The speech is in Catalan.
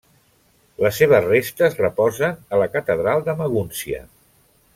Les seves restes reposen a la catedral de Magúncia.